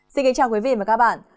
xin kính chào quý vị và các bạn